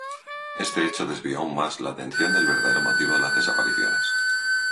Este hecho desvió aún más la atención del verdadero motivo de las desapariciones.